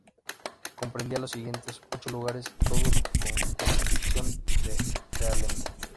Comprendía los siguientes ocho lugares, todos con jurisdicción de realengo.